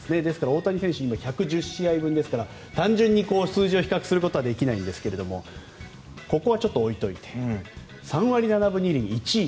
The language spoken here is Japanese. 大谷選手は１１０試合分ですから単純に数字を比較することはできないんですがここは置いておいて３割７分２厘、１位。